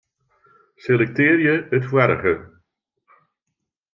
Selektearje it foarige.